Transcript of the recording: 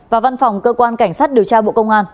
và văn phòng cơ quan cảnh sát điều tra bộ công an